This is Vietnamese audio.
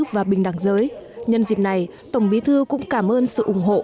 và bình đẳng giới nhân dịp này tổng bí thư cũng cảm ơn sự ủng hộ